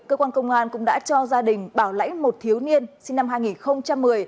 cơ quan công an cũng đã cho gia đình bảo lãnh một thiếu niên sinh năm hai nghìn một mươi